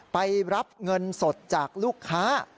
ไปรับเงินสดจากลูกค้า